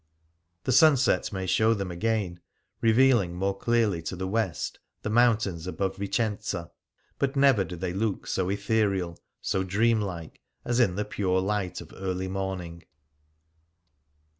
The sunset may show them again, revealing more clearly to the west the mountains above Vicenza; but never do they look so ethereal, so dream like, as in the pure light of early morning.